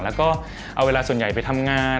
แล้วก็เอาเวลาส่วนใหญ่ไปทำงาน